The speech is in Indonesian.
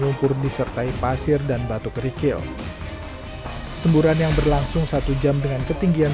lumpur disertai pasir dan batu kerikil semburan yang berlangsung satu jam dengan ketinggian